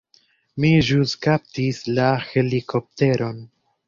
Mi ĵus kaptis helikopteron.